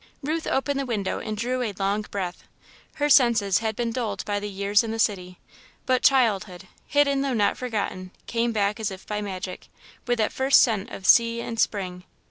Ruth opened the window and drew a long breath. Her senses had been dulled by the years in the city, but childhood, hidden though not forgotten, came back as if by magic, with that first scent of sea and Spring.